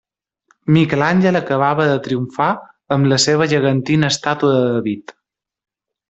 Miquel Àngel acabava de triomfar amb la seva gegantina estàtua de David.